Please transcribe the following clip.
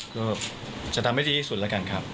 ก็จะทำให้ดีที่สุดแล้วกันครับ